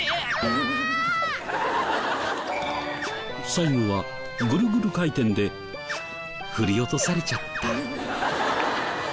最後はグルグル回転で振り落とされちゃった。